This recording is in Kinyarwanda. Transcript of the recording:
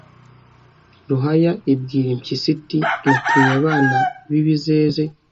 Ruhaya ibwira impyisi iti natumye abana b'ibizeze